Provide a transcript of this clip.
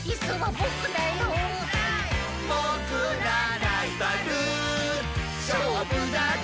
「ぼくらライバルしょうぶだぜ」